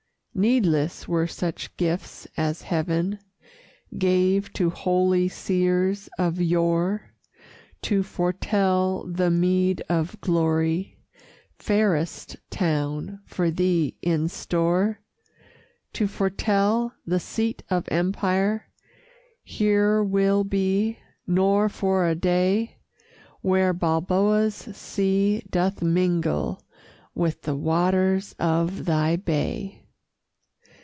Needless were such gifts as heaven Gave to holy seers of yore, To foretell the meed of glory, Fairest town, for thee in store! To foretell the seat of empire Here will be, nor for a day, Where Balboa's sea doth mingle With the waters of thy bay!